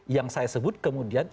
yang saya sebut kemudiannya